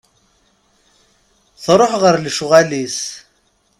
Truḥ ɣer lecɣal-is.